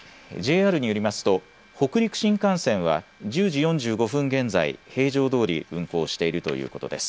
ＪＲによりますと北陸新幹線は１０時４５分現在、平常どおり運行しているということです。